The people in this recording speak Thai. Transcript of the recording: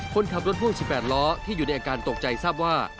คนขับรถพ่วง๑๘ล้อที่อยู่ในอาการตกใจทราบว่า